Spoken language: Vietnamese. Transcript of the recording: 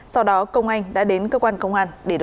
sau đó công anh đã đến cơ quan công an để đổ thú